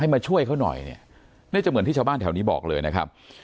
มาช่วยเขาหน่อยเนี่ยน่าจะเหมือนที่ชาวบ้านแถวนี้บอกเลยนะครับ